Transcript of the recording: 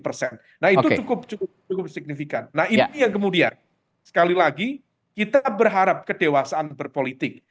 nah itu cukup cukup signifikan nah ini yang kemudian sekali lagi kita berharap kedewasaan berpolitik